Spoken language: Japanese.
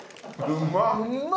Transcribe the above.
うまっ！